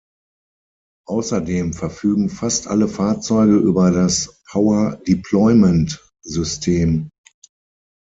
Außerdem verfügen fast alle Fahrzeuge über das "Power Deployment"-System.